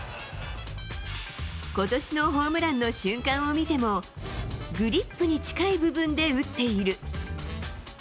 ことしのホームランの瞬間を見ても、グリップに近い部分で打っている。